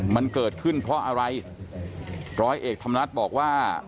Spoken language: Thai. มันเกิดขึ้นเพราะอะไรร้อยเอกธรรมนัฐบอกว่า